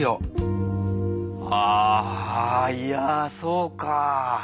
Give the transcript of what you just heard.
あいやそうかあ。